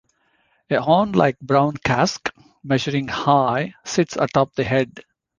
A horn-like brown casque, measuring high, sits atop the head.